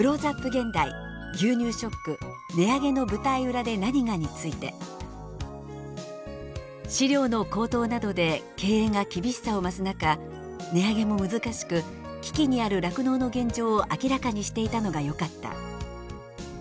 現代「“牛乳ショック”値上げの舞台裏で何が」について「飼料の高騰などで経営が厳しさを増す中値上げも難しく危機にある酪農の現状を明らかにしていたのがよかった」